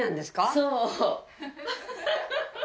そう。